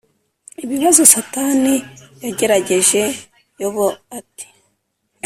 Ibibazo satani yagerageje yobu ate